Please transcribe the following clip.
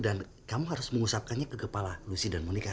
dan kamu harus mengusapkannya ke kepala lucy dan monica